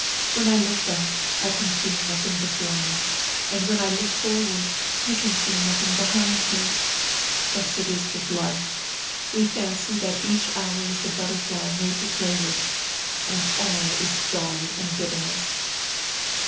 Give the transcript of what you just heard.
When I look back I can see nothing before me, and when I look forward I can see nothing behind me. Thus it is with life. We fancy that each hour is a butterfly made to play with, and all is gall and bit terness.